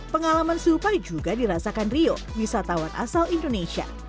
pengalaman serupa juga dirasakan rio wisatawan asal indonesia